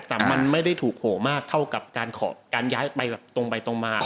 แต่มันไม่ได้ถูกโหมากเท่ากับการขอการย้ายไปแบบตรงไปตรงมา